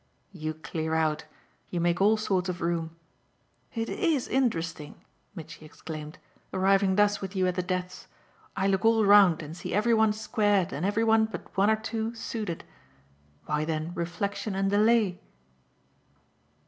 You clear out you make all sorts of room. It IS interesting," Mitchy exclaimed, "arriving thus with you at the depths! I look all round and see every one squared and every one but one or two suited. Why then reflexion and delay?"